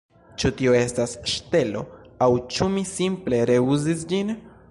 Ĉu tio estas ŝtelo aŭ ĉu mi simple reuzis ĝin